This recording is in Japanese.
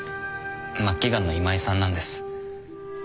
末期がんの今井さんなんです。